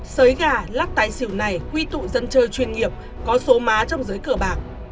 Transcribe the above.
sới gà lát tái xỉu này quy tụ dân chơi chuyên nghiệp có số má trong giới cờ bạc